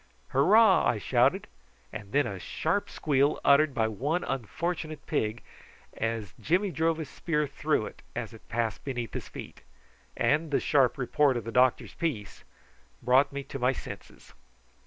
"Hurrah!" I shouted; and then a sharp squeal uttered by one unfortunate pig as Jimmy drove his spear through it as it passed beneath his feet, and the sharp report of the doctor's piece, brought me to my senses.